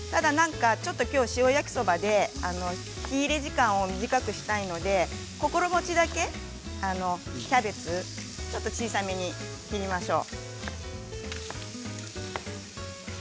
ただ今日ちょっと塩焼きそばで火入れ時間を短くしたいので心持ちだけキャベツちょっと小さめに切りましょう。